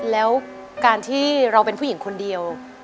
แล้วการที่เราเป็นผู้หญิงคนเดียว